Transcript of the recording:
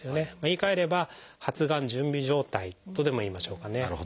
言いかえれば発がん準備状態とでもいいましょうかね。